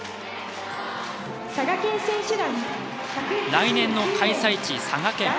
来年の開催地、佐賀県。